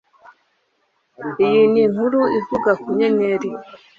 Iyi ni inkuru ivuga ku nyenyeri